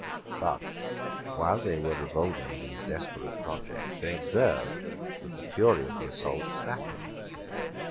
But, while they were revolving these desperate projects, they observed that the fury of the assault slackened.